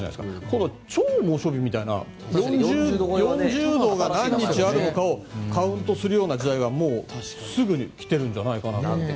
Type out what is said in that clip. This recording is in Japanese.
今度、超猛暑日みたいな４０度が何日あるのかをカウントするような時代がもうすぐ来てるんじゃないかな。